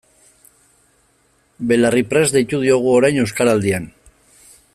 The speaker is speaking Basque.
Belarriprest deitu diogu orain Euskaraldian.